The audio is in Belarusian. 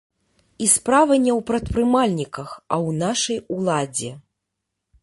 І справа не ў прадпрымальніках, а ў нашай уладзе.